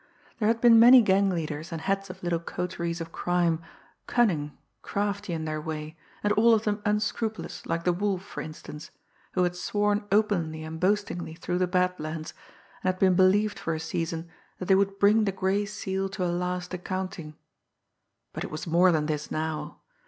There had been many gang leaders and heads of little coteries of crime, cunning, crafty in their way, and all of them unscrupulous, like the Wolf, for instance, who had sworn openly and boastingly through the Bad Lands, and had been believed for a season, that they would bring the Gray Seal to a last accounting but it was more than this now.